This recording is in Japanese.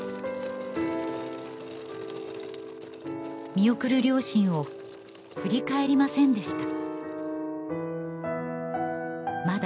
見送る両親を振り返りませんでした